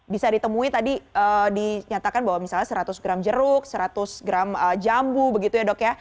bisa ditemui tadi dinyatakan bahwa misalnya seratus gram jeruk seratus gram jambu begitu ya dok ya